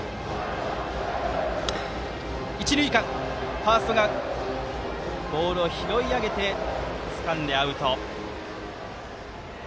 ファーストがボールをつかんでアウト。